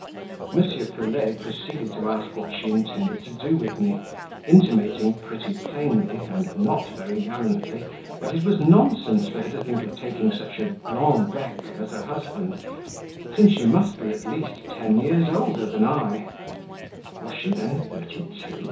M. Pelet proceeded to ask what she intended to do with me, intimating pretty plainly, and not very gallantly, that it was nonsense for her to think of taking such a "blanc bec" as a husband, since she must be at least ten years older than I (was she then thirty two?